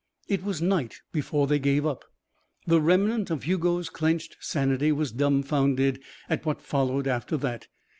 It was night before they gave up. The remnant of Hugo's clenched sanity was dumbfounded at what followed after that.